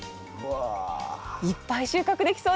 いっぱい収穫できそうですね。